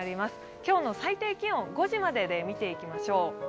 今日の最低気温５時までで見ていきましょう。